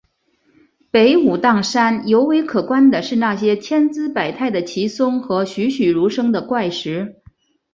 北武当山尤为可观的是那些千姿百态的奇松和栩栩如生的怪石。